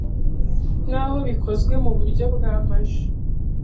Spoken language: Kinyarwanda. nk’aho bikozwe mu buryo bwa maji,